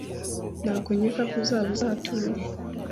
Ntabwo nkeka ko uzaba uzi aho atuye?